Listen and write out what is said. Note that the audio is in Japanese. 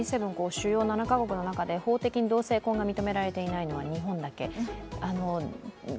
主要７か国の中で、法的に同性婚が認められていないのは日本だけ。